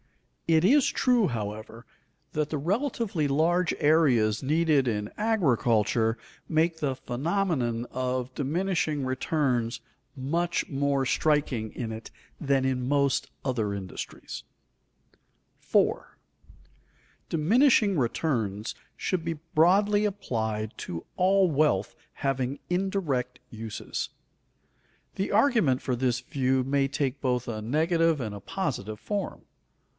It is true, however, that the relatively large areas needed in agriculture make the phenomenon of diminishing returns much more striking in it than in most other industries. [Sidenote: And to all indirect agents] 4. "Diminishing returns" should be broadly applied to all wealth having indirect uses. The argument for this view may take both a negative and a positive form.